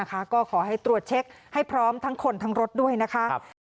ก็ขอให้ตรวจเช็คให้พร้อมทั้งคนทั้งรถด้วยนะคะ